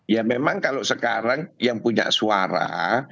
ya memang kalau sekarang yang punya suara